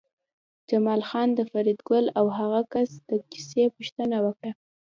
جمال خان د فریدګل او هغه کس د کیسې پوښتنه وکړه